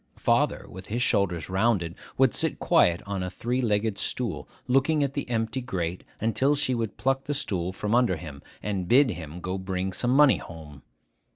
Father, with his shoulders rounded, would sit quiet on a three legged stool, looking at the empty grate, until she would pluck the stool from under him, and bid him go bring some money home.